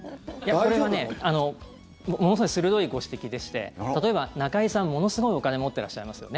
これはものすごい鋭いご指摘でして例えば中居さん、ものすごいお金持ってらっしゃいますよね。